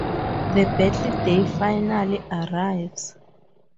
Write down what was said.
The battle day finally arrives.